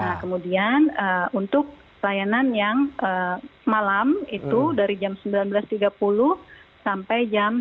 nah kemudian untuk layanan yang malam itu dari jam sembilan belas tiga puluh sampai jam dua belas tiga puluh